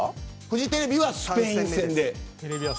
フジテレビはスペイン戦です。